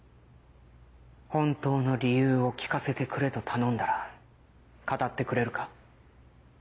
本当の理由を聞かせてくれと頼んだら語ってくれるか？